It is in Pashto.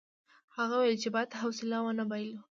هغه وویل چې باید حوصله ونه بایلو.